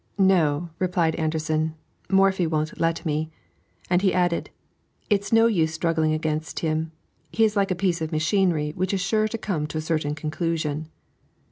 "No," replied Anderssen, "Morphy won't let me;" and he added, "It is no use struggling against him; he is like a piece of machinery which is sure to come to a certain conclusion."